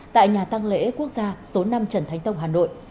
tại nhà tăng lễ quốc gia số năm trần thánh tông hà nội